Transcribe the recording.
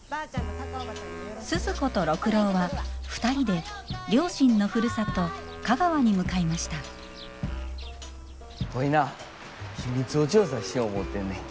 スズ子と六郎は２人で両親のふるさと香川に向かいましたワイな秘密を調査しよ思うてんねん。